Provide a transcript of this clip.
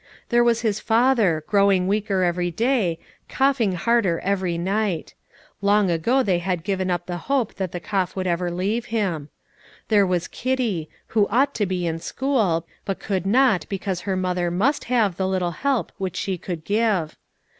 There was his father, growing weaker every day, coughing harder every night; long ago they had given up the hope that the cough would ever leave him. There was Kitty, who ought to be in school, but could not because her mother must have the little help which she could give.